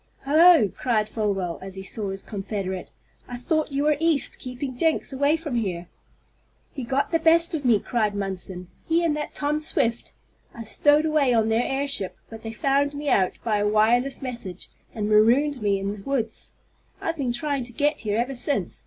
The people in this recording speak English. "Hello!" cried Folwell, as he saw his confederate. "I thought you were East, keeping Jenks away from here." "He got the best of me!" cried Munson, "he and that Tom Swift! I stowed away on their airship, but they found me out by a wireless message, and marooned me in the woods. I've been trying to get here ever since!